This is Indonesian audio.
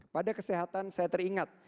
pada kesehatan saya teringat